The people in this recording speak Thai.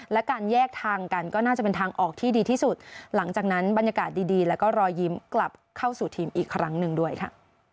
และการแยกทางกันก็น่าจะเป็นทางออกที่ดีที่สุดหลังจากนั้นบรรยากาศดีแล้วก็รอยยิ้มกลับเข้าสู่ทีมอีกครั้งหนึ่งด้วยค่ะ